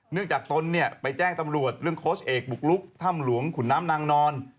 จากตนเนี่ยไปแจ้งตำรวจเรื่องโค้ชเอกบุกลุกถ้ำหลวงขุนน้ำนางนอน